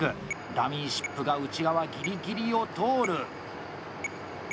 ダミーシップが内側ギリギリを通る。